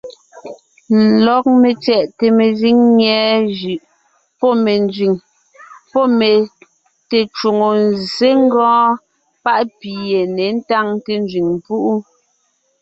Lɔg metyɛʼte mezíŋ nyɛ̀ɛ jʉʼ, pɔ́ me nzẅìŋ, pɔ́ me tecwòŋo nzsé ngɔɔn páʼ pi yé ně táŋte nzẅìŋ púʼu.